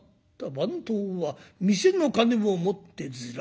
番頭は店の金を持ってずらかったと。